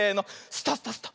スタスタスタ。